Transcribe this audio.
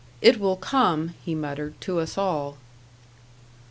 It will come," he muttered, "to us all."